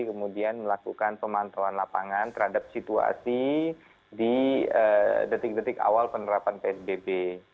kemudian melakukan pemantauan lapangan terhadap situasi di detik detik awal penerapan psbb